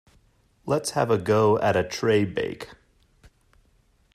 Let's have a go at a tray bake.